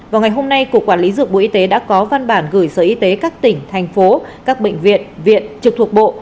vào ngày hôm nay cục quản lý dược bộ y tế đã có văn bản gửi sở y tế các tỉnh thành phố các bệnh viện viện trực thuộc bộ